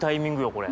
これ。